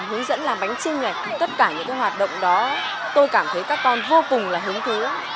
tất cả những hoạt động đó tôi cảm thấy các con vô cùng là hứng thú